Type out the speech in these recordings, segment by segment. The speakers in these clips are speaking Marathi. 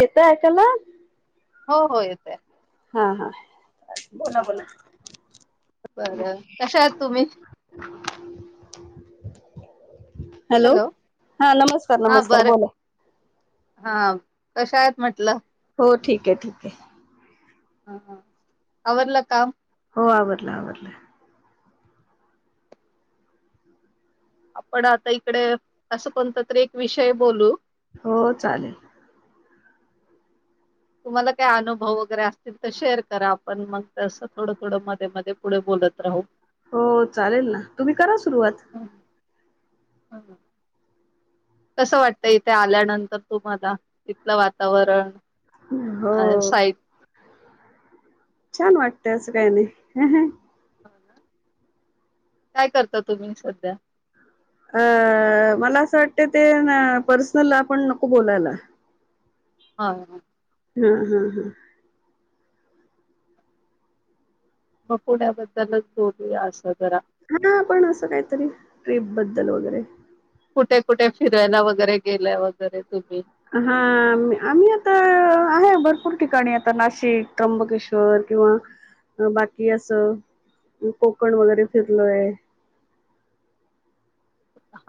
येतंय ऐकायला? हो हो येतोय. हा... हा... बोला, ह बोला. बरं कशा आहात [unintelligible] तुम्ही? हॅलो... हा... नमस्कार, हा नमस्कार बरं बोला. हा.. कशा आहेत म्हटलं? हो ठीक ए... ठीक ए. हा हा... आवरलं काम? हो, आवरलं... आवरलं. आपण आता इकडे... असं कोणतं तरी एक विषय बोलू. हो चालेल. तुम्हाला काय अनुभव वगैरे असतील तर शेअर करा... आपण मग तसं, थोडं थोडं, मध्ये मध्ये पुढं बोलत राहू हो... चालेल ना, तुम्ही करा सुरुवात हं, हं. कसं वाटतंय इथे आल्यानंतर तुम्हाला, इथलं वातावरण हो अ [unintelligible] छान वाटतं... असं काय नई... ह ह काय करता तुम्ही सध्या? अ... मला असं वाटतं ते... ना पर्सनल आपण नको बोलायला. हा. हा. हा हा हा मग पुण्याबद्दलच [unintelligible] असं जरा हा पण असं काहीतरी... ट्रीप बद्दल वगैरे कुठे कुठे, फिरायला वगैरे, गेलाय वगैरे तुम्ही हा... आम्ही आता, आहे भरपूर ठिकाणी, आता नाशिक त्र्यंबकेश्वर किंवा अ... बाकी असं कोकण वगैरे फिरलोय [inaudible]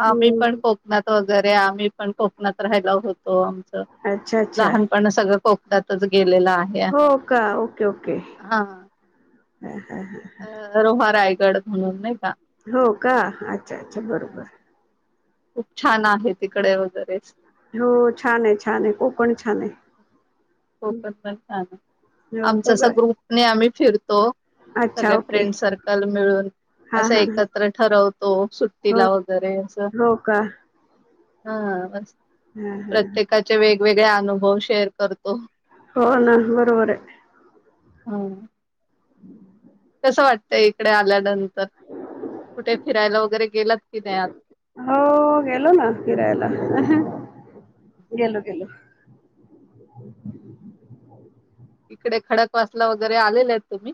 आम्ही पण हम्म कोकणात वगैरे... आम्ही पण कोकणात राहायला होतो. आमचं अच्छा अच्छा पण सगळं कोकणातच गेलेलं आहे. हो का? Okay okay. हा हंहं.. हंहं अ रोहा रायगड म्हणून नाई का? हो का? अच्छा अच्छा हा, बरोबर. खूप छान आहे, तिकडे वगैरेच हो, छान ए... छान ए... कोकण छान ए कोकण पण छान ए... हो आमचा असा सगळं ग्रुपने आम्ही फिरतो अच्छा सगळ्या ओके फ्रेंड सर्कल मिळून हा असं हा हा एकत्र ठरवतो... सुट्टीला वगैरे असं हं हा प्रत्येकाचे वेगवेगळे अनुभव शेअर करतो हो ना बरोबर आहे हो हम्म कस वाटतंय इकडे आल्यानंतर कुठे फिरायला वगैरे गेलात की नाही आ हो गेलो ना फिरायला ह गेलो गेलो इकडे खडक वासला वगैरे आलेले आहेत तुम्ही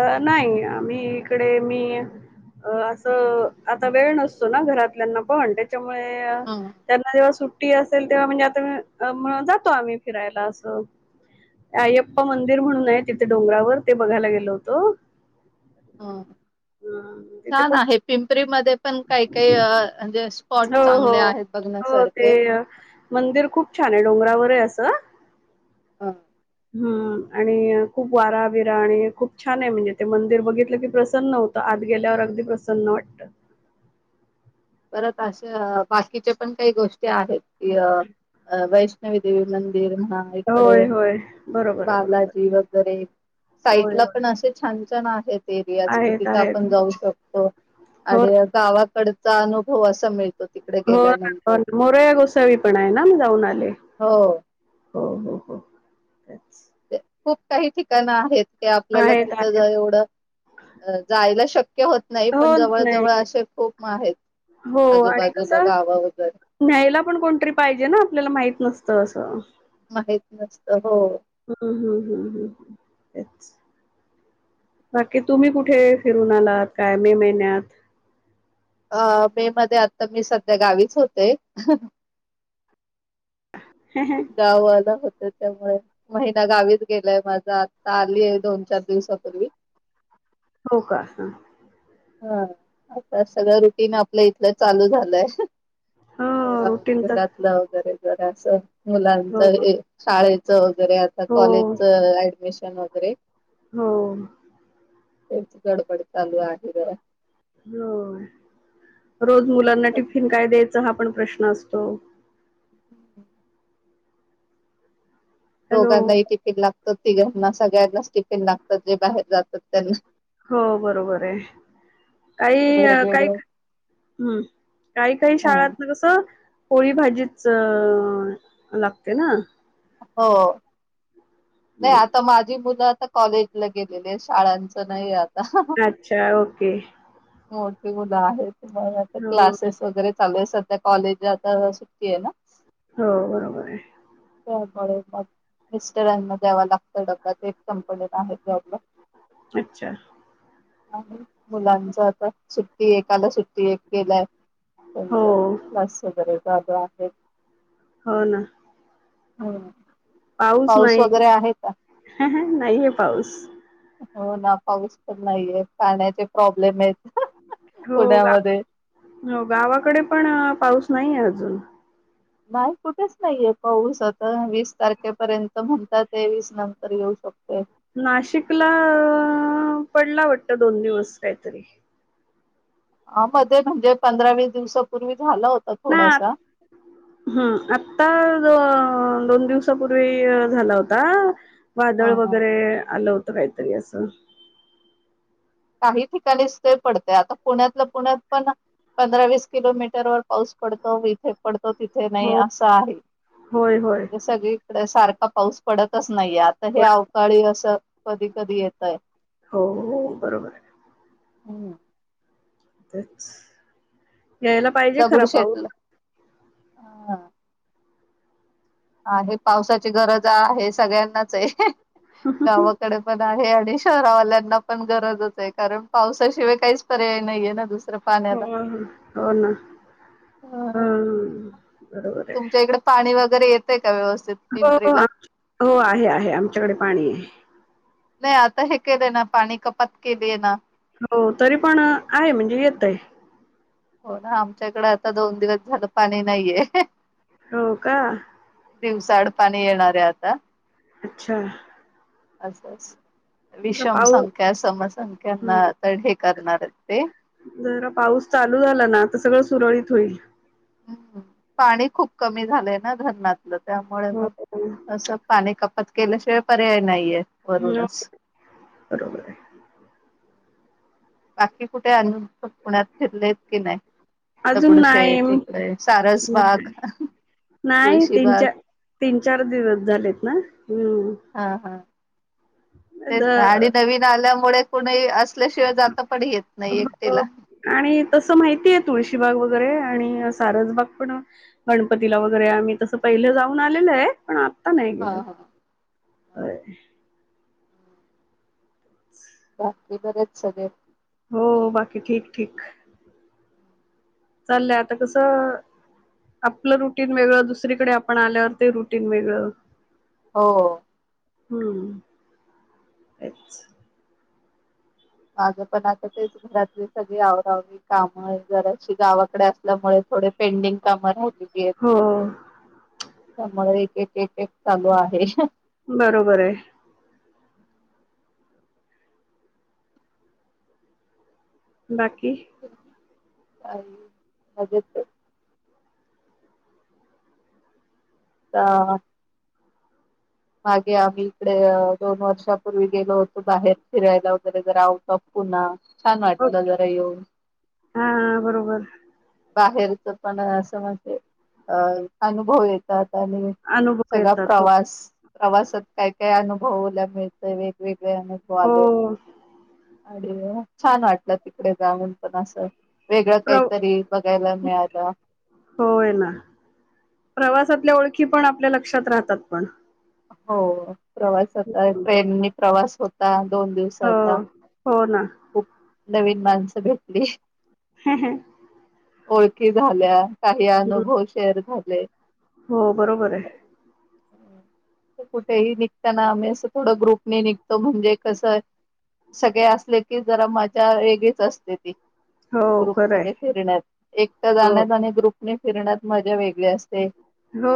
अ नाही मी इकडे मी अ असं आता वेळ नसतो ना घरातल्यांना पण त्याच्यामुळे हं त्यांना जेव्हा सुट्टी असेल तेव्हा म्हणजे आता जातो आम्ही फिरायला असं अय्यप्पा मंदिर म्हणून आहे तिथे डोंगरावर ते बघायला गेलो होत ह ह म्हणजे छान आहे पिंपरीमध्ये पण काही काही अ म्हणजे स्पॉट छान हो, हो. चांगले आहेत हो, ते बघण्यासारखे अ, मंदिर खूप छान आहे डोंगरावर आहे असं हा हम्म आणि खूप वारा विरा आणि खूप छान आहे म्हणजे ते मंदिर बघितलं की प्रसन्न होतं आज गेल्यावर अगदी प्रसन्न वाटतं परत अशे बाकीच्या पण काही गोष्टी आहेत य वै नवी देेवी मंदिर महा होय, होय. बरोबर आहे, बरोबर बालाजी आहे. वगैरे साईट होय, ला होय. पण असे छान छान आहेत एरिया कि आहेत, तिथं आहेत. आपण हो, जाऊ शकतो हो, आणि गावाकड चा अनुभव असा मिळतो तिकडे हो. ना, हो गेल्यानंतर ना. मोरया गोसावी पण आहे ना, मी जाऊन आले. हो हो हो. तेच. खूप काही ठिकाणं आहेत क आपल्याला आहेत, तिथं आहेत. जा एवढं जायला शक्य होत नाही पण हो, नाही. जवळजवळ असे खूप आहेत हो आणि आजूबाजूला कसं गावं वगैरे न्यायला पण कोणतरी पाहिजे ना आपल्याला माहित नसतं असं माहित नसत हो हम् हम् हम् हम् हम् तेच बाकी तुम्ही कुठे फिरून आलात काय मे महिन्यात अ मे मध्ये आता मी सध्या गावीच होते हम ह गावला होत त्यामुळे महिना गावीच गेलाय माझा आता आलीय दोन चार दिवसापूर्वी हो का ह हा आता सगळं रुटीन आपल्या इथलं चालू झालंय हो, आवरावरी रुटीन तर घरातलं वगैरे जर असं मुलांच हो, हे शाळेचं वगैरे आता हो, कॉलेजच ऍडमिशन वगैरे हो. खूप गडबड चालू आहे जरा. हो रोज मुलांना टिफिन काय द्यायचं हा पण प्रश्न असतो. हॅलो दोघांनाही टिफिन लागत तिघांना सगळ्यांनाच टिफिन लागतात जे बाहेर जातात त्यांना हो बरोबर आहे. काही काही वेगवेगळं हम्म काही काही शाळात कसं पोळी भाजीच लागते ना हो नाही हं. आता माझी मुलं आता कॉलेजला गेलेली आहेत शाळांच नाही आता अच्छा ओके. मोठी मुलं आहे त आता हो क्लासेस वगैरे चालूय. कॉलेज आ तर सुट्टी आहे ना. हो बरोबर आहे. त्यामुळे मिस्टरांना द्याव लागतं डबबा ते एक संपलेला आहे ज आपलं. अच्छा! आणि मुलांच आता सुट्टी एकाला सुट्टी एक केलाय. हो त्यांचं मस्य बरे जाग आहे. हो ना. [inaudible] हो. पाऊस नाही. वगैरे आहे का. ह ह नाही आहे पाऊस. हो ना पाऊस तर नाहीये पाण्याचे प्रॉब्लेम आहेत. हो पुण्यामध्ये हो गावाकडे पण पाऊस नाहीे अजून. नाही कुठेच नाहीये पाऊस आता वीस तारखेपर्यंत म्हणतात ते वीस नंतर येऊ शकते. नाशिकला पडला वाटत दोन दिवस काहीतरी. ह मध्ये म्हणजे पंधरा वीस दिवसापूर्वी झालं होत ना थोडासा. हम्म आता जो दोन दिवसापूर्वी झाला होता. वादळ ह वगैरे आलं होतं काहीतरी असं. काही ठिकाणीच ते पडते आता पुण्यातलं पुण्यात पण. पंधरा वीस किलोमीटर वर पाऊस पडतो. थ पडतो तिथे नाही हो असं आहे होय होय म्ह जे सगळी. सारखा पाऊस पडतच नाहीये आता हे पण अवकाळी असं कधी कधी येतय. हो बरोबर आहे. हम्. तेच या्यायला पाहिजे खरा पाऊस. दगडूशेठला हा हे पावसाची गरज आहे सगळ्यांनाच आहे गाव. डे पण आहे आणि शहरावाल्यांना पण गरजच आहे कारण पावसाशिवाय काहीच पर्याय नाहीे ना दुसरं. हो पाण्याला हो ना हा ह बरोबर आहे. तुमच्या इकडे पाणी वगैरे येतय का व्यवस्थित. हो पिंपरीला हो आहे आहे आमच्याकडे पाणी आहे. नाही आता हे केलंय ना पाणी कपात केलीय ना. हो तरी पण आहे म्हणजे येत आहे. हो ना आमच्याकडे आता दोन दिवस झालं पाणी नाहीये. होका. दिवसाड पाणी येणार आहे आता. अच्छा! असच जरा विषम पाऊस संंख्या हं, समसंख्याना तरढ हे करणार आहेत ते. जरा पाऊस चालू झाला ना तर सगळं सुरळीत होईल. हम् पाणी खूप कमी झालंय ना धरणतलं. त्यामुळे हो मग हो. असं पाणी कपात केल्याशिवाय पर्याय नाहीये हो वरूनच. बरोबर आहे. बाकी कुठे अन पुण्यात फिरलेत की नाही. अजून दगडू शही नाही इकडे सारसबाग. नाही तुळशीबाग तीन-चार, तीन-चार दिवस झालेत ना हम्. हा हां. तेच नाही आणि नवीन आल्यामुळे कुणी असल्याशिवाय जाता पण येत नाही हो एकटेला. आणि तसं माहितीय तुळशीबाग वगैरे आणि सारसबाग पण. गणपतीला वगैरे म्ही तसं पहिलं जाऊन आलेल आहे पण. अ नाही हा गेलो हा [unintelligible] [inaudible] बाकी बरे येत सगळे. हो बाकी ठीक ठीक. चाललंय आता कसं आपलं रुटीन वेगळं दुसरीकडे आपण आल्यावर ते रुटीन वेगळं. हो. हम्म तेच. माझं पण आता तेच घरातले सगळी आवरावरी काम जराशी गावाकडे अस आपल्यामुळे थोडे पेंडिंग काम राहिलेली आहेत. हो त्यामुळे एक एक एक एक चालू आहे. बरोबर आहे. बाकी? मजेत ये. ह. मागे आम्ही इकडे दोन वर्षापूर्वी गेलो होतो बाहेर फिरायला वगैरे जर आउट ऑफ पुन्हा छान हो. वाटलं जरा येऊन. हा बरोबर बाहेरच पण असं म्हणजे अ अनुभव येत आणि अनुभव सगळा येतात हो प्रवास प्रवासात काय काय अनुभवला मिळत व वेगळे्या आणि हो स्वाद आणि छान वाटलं तिकडे जाऊन पण असं. वेगळं प्र काहीतरी बघायला मिळालं. होय ना प्रवासातल्या ओळखी पण आपल्या लक्षात राहतात पण हो प्रवास आता ट्रेननी प्रवास होता दोन दिवस हो हो ना. खूप नवीन माणसं भेटली हा हा. ओळखी झाल्या काही अनुभव शेअर झाले. हो बरोबर आहे. [unintelligible] कुठेही निघताना आम्ही असं थोडं ग्रुप न निघतो म्हणजे कसं सगळे असले की जरा मजा वेगळीच असते ती. हो ग्रुप खरं आहे मध्ये फिरण्यात एकट हो जाण्यात आणि ग्रुपने फिरण्यात मजा वेगळी अस ते हो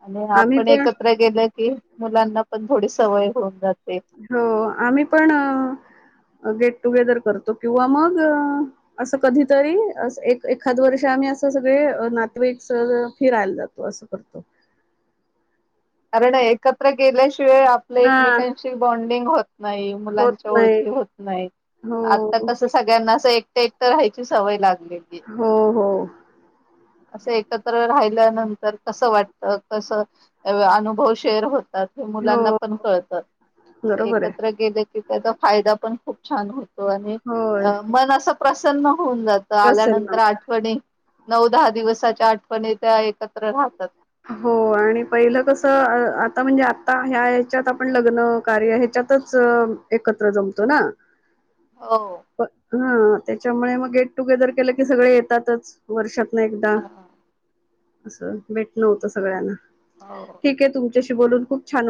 आणि आम्ही आपण पण एकत्र ये गेलं की मुलांना पण थोडी सवय होऊन जाते. हो आम्ही पण गेट टुगेदर करतो किंवा मग असं कधीतरी अस एक एखाद वर्ष आम्ही असं सगळे नातेवाईक फिरायला जा तो असं करतो. कारण एकत्र गेल्याशिवाय आपल्या हा एकमेकांशी बॉन्डिंग होत नाही होत मुलांच्या नाही ओळखी होत नाही हो आता कस सगळ्यांना असं एकटे एकट राहायची सवय लागलेली. हो. हो असं एक अनुभव शेअर होतात हे मुलांना हो पण कळतात बरोबर आहे एकत्र गेले की त्याचा फायदा पण खूप छान होतो आणि होय मन असं प्रसन्न होऊन जा त असेल ना आल्यानंतर आठवणी नऊ दहा दिवसाच्या आठवणी त्या एकत्र राहतात. हो आणि पहिलं कसं आता म्हणजे आता ह्या ह्याच्यात आपण लग्न कार्य ह्याच्यात एकत्र जमतो ना. हो. हा त्याच्यामुळे मग गेट टुगेदर केलं की सगळे येतातच वर्षात ना एकदा हा असं भेटणं होतं सगळ्यांना हो ठीक आहे तुमशी बोलून खूप छान